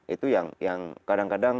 itu yang kadang kadang